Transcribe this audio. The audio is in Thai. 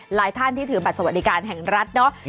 หลายท่านที่ถือบัตรสวัสดิการแห่งรัฐเนาะ